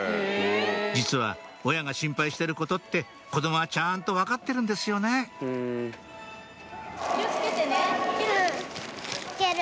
実は親が心配してることって子供はちゃんと分かってるんですよね行ける？